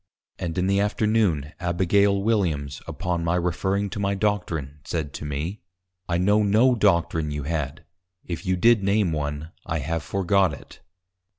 _ And in the Afternoon, Abigail Williams, upon my referring to my Doctrine, said to me, _I know no Doctrine you had, If you did name one, I have forgot it.